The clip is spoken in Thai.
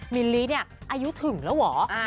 มิลลี่เนี่ยอายุถึงแล้วเหรอ